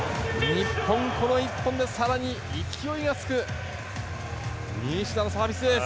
日本、この１本で更に勢いがつく西田のサービスエース！